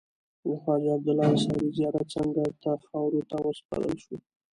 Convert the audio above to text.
د خواجه عبدالله انصاري زیارت څنګ ته خاورو ته وسپارل شو.